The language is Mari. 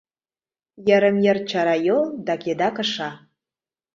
Йырым-йыр чара йол да кеда кыша.